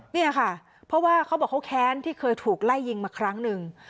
เนี่ยค่ะเพราะว่าเขาบอกเขาแค้นที่เคยถูกไล่ยิงมาครั้งหนึ่ง